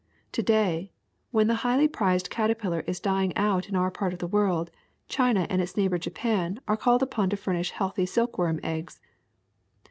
To day, when the highly prized caterpillar is dying out in our part of the world, China and its neighbor Japan are called upon to furnish healthy silkworm eggs.